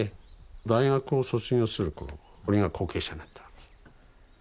大学を卒業する頃俺が後継者になったわけ。